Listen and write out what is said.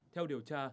theo điều tra